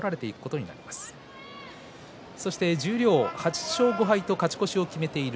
十両８勝５敗と勝ち越しを決めている